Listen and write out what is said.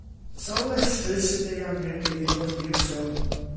Sawl estrys sydd ei hangen i ddifrodi ysgol?